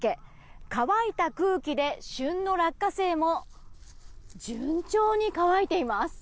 乾いた空気で旬の落花生も順調に乾いています。